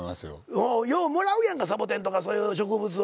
ようもらうやんかサボテンとかそういう植物を。